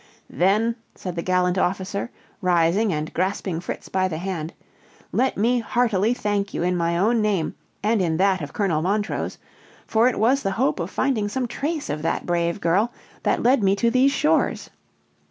"Then," said the gallant officer, rising and grasping Fritz by the hand, "let me heartily thank you in my own name, and in that of Colonel Montrose; for it was the hope of finding some trace of that brave girl that led me to these shores.